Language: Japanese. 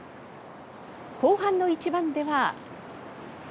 後半の１番では。